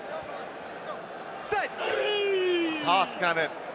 さぁ、スクラム。